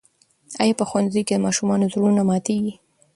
آیا په ښوونځي کې د ماشومانو زړونه ماتېږي؟